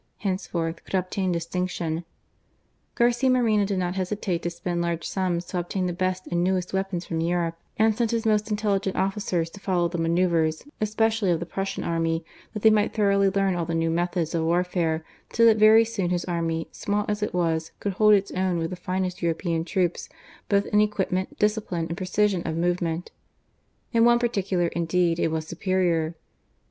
henceforth, could obtain distinction, Garcia Moreno did not hesitate to spend lai^ sums to obtain the best and newest weapons from Europe, and sent his most intelligent officers to follow the manoeuvres, especially of the PrussiaTi army, that they might thoroughly learn all the new methods of warfare ; so that very soon his army, small as it was, could hold its own with the finest European troops, both in equipment, dis cipline, and precision of movement. In one par ticular, indeed, it was superior.